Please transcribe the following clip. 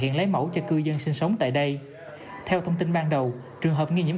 hiện lấy mẫu cho cư dân sinh sống tại đây theo thông tin ban đầu trường hợp nghi nhiễm